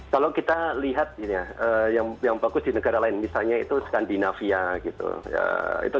kalau kita lihat yang bagus di negara lain misalnya itu skandinavia gitu